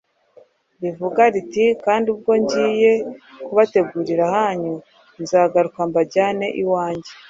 rivuga riti, «Kandi ubwo ngiye kubategurira ahanyu, nzagaruka mbajyane iwanjye.»